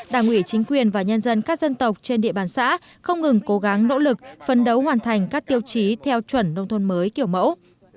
đảng ủy chính quyền và nhân dân các dân tộc trên địa bàn xã không ngừng cố gắng nỗ lực phân đấu hoàn thành các tiêu chí theo chuẩn nông thôn mới kiểu mẫu